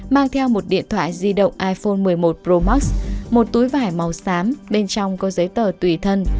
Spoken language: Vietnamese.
mang theo một điện thoại di động iphone một mươi một pro max một túi vải màu xám bên trong có giấy tờ tùy thân